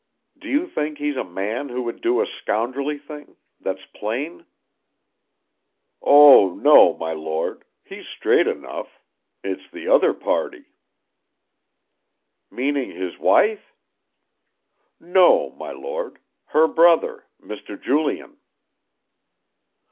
Do you think he's a man who would do a scoundrelly thing that's plain?" "Oh, no, my Lord, he's straight enough. It's the other party." "Meaning his wife?" "No, my Lord her brother, Mr. Julian."